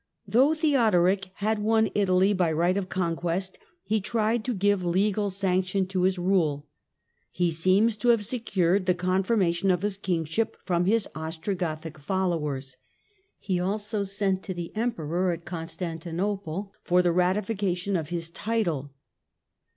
Though Theodoric had won Italy by right of conquest, Theodoric, he tried to give legal sanction to his rule. He seems Gothland to have secured the confirmation of his kingship from Romans his Ostrogothic followers ; he also sent to the Emperor at Constantinople for the ratification of his title.